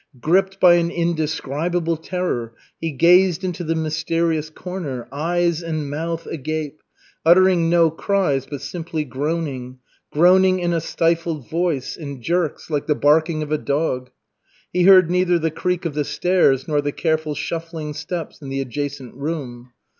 Gripped by an indescribable terror, he gazed into the mysterious corner, eyes and mouth agape, uttering no cries, but simply groaning groaning in a stifled voice, in jerks, like the barking of a dog. He heard neither the creak of the stairs nor the careful shuffling steps in the adjacent room.